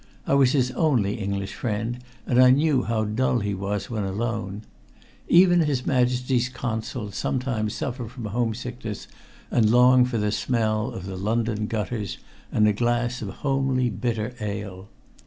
I was his only English friend, and I knew how dull he was when alone. Even his Majesty's Consuls sometimes suffer from homesickness, and long for the smell of the London gutters and a glass of homely bitter ale.